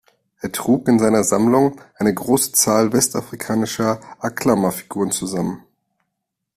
Er trug in seiner Sammlung eine große Zahl westafrikanischer Aklama-Figuren zusammen.